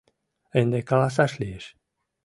Ынде каласаш лиеш.